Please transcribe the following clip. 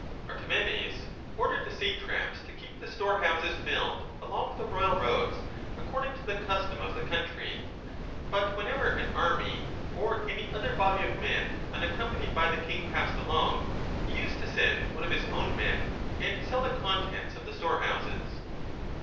Antimenes ordered the satraps to keep the storehouses 2 5 rilled along the royal roads according to the custom of the country ; but whenever an army or any other body of men unaccompanied by the king passed along, he used to send one of his own men and sell the contents of the storehouses.